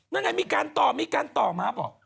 นั่นไงมีการตอบมีการต่อมาบอก